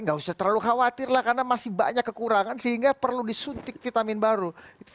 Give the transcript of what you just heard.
nggak usah terlalu khawatir lah karena masih banyak kekurangan sehingga perlu disuntik vitamin baru